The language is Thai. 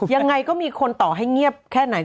ยังไงก็มีคนต่อให้เงียบแค่ไหน